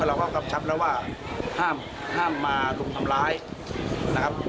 เราก็พรับชับว่าห้ามห้ามมาดุมทำร้ายนะครับ